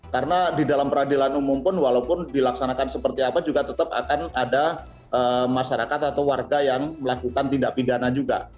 karena di dalam peradilan umum pun walaupun dilaksanakan seperti apa juga tetap akan ada masyarakat atau warga yang melakukan tindak pidana juga